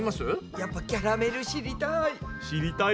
やっぱキャラメル知りたい。